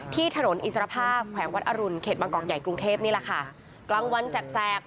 ที่ถนนอิสรภาพแขวงวัดอรุณเขตบางกอกใหญ่กรุงเทพนี่แหละค่ะกลางวันแสกแสก